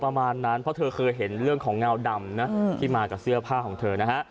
ประมาณนั้นเพราะเธอเคยเห็นเรื่องของเงาดำนะที่มากับเสื้อผ้าของเธอนะฮะ